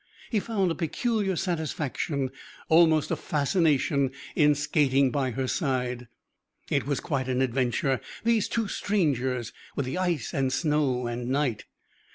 He found a peculiar satisfaction, almost a fascination, in skating by her side. It was quite an adventure these two strangers with the ice and snow and night!